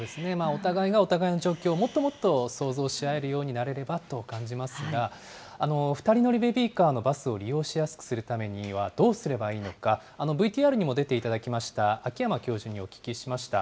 お互いがお互いの状況をもっともっと想像し合えるようになれればと感じますが、２人乗りベビーカーのバスを利用しやすくするためにはどうすればいいのか、ＶＴＲにも出ていただきました秋山教授にお聞きしました。